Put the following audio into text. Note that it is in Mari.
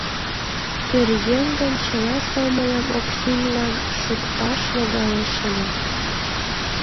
Пӧръеҥ гын, чыла сомылым Оксинлан шукташ логалеш ыле.